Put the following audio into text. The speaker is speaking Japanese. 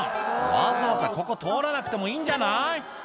わざわざここ通らなくてもいいんじゃない？